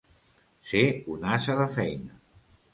Ser un ase de feina.